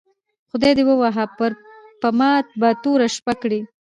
خدای دي ووهه پر ما به توره شپه کړې